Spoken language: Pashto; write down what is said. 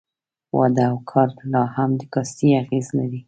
واده او کار لا هم د کاستي اغېز لري.